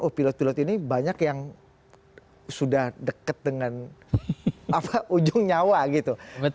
oh pilot pilot ini banyak yang sudah dekat dengan ujung nyawa gitu